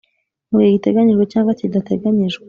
Mu gihe giteganyijwe cyangwa kidateganyijwe